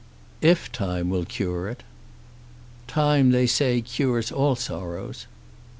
"If time will cure it." "Time, they say, cures all sorrows."